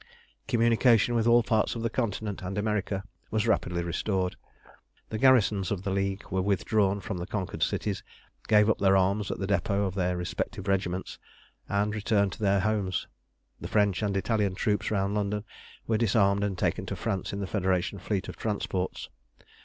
Communication with all parts of the Continent and America was rapidly restored. The garrisons of the League were withdrawn from the conquered cities, gave up their arms at the depots of their respective regiments, and returned to their homes. The French and Italian troops round London were disarmed and taken to France in the Federation fleet of transports.